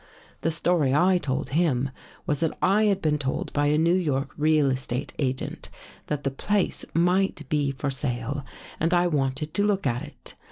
The story I told him was that I had been told by a New York real estate agent, that the place might be for sale and I wanted to look at it.